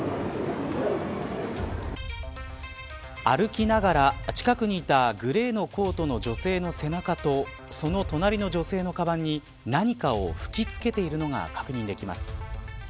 歩きながら、近くにいたグレーのコートの女性の背中とその隣の女性のかばんに何かを吹きつけているのが確認できます。